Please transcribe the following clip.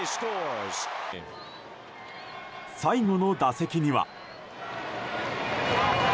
最後の打席には。